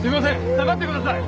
下がってください。